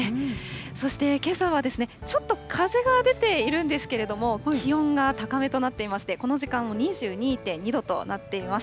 そしてけさはですね、ちょっと風が出ているんですけれども、気温が高めとなっていまして、この時間、２２．２度となっています。